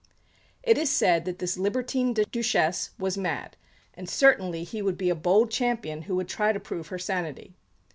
It is said that this libertine Duchesse was mad; and certainly he would be a bold champion who would try to prove her sanity.